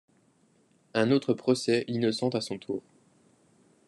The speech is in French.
Un autre procès l'innocente à son tour.